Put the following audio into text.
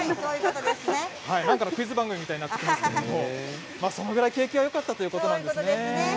何かのクイズ番組みたいになっていますけれどもそれぐらい景気がよかったということですね。